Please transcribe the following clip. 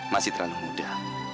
masih terlalu muda